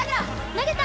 投げた！